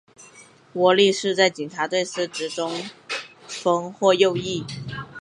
窝利士在警察队司职中锋或右翼。